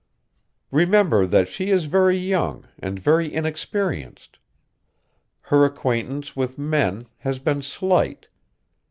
Remember that she is very young and very inexperienced. Her acquaintance with men has been slight.